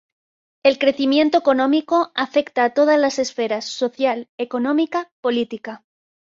El crecimiento económico afecta a todas las esferas: social, económica, política...